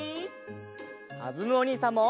かずむおにいさんも！